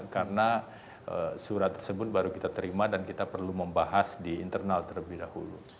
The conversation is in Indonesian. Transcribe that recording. karena surat tersebut baru kita terima dan kita perlu membahas di internal terlebih dahulu